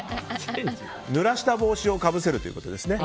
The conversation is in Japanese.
１、ぬらした帽子をかぶせるということですね。